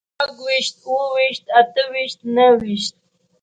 شپږ ويشت، اووه ويشت، اته ويشت، نهه ويشت